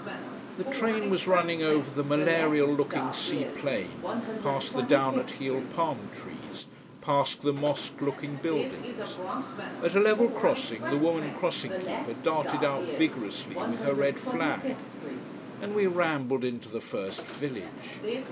The train was running over the malarial looking sea plain past the down at heel palm trees, past the mosque looking buildings. At a level crossing the woman crossing keeper darted out vigorously with her red flag. And we rambled into the first village.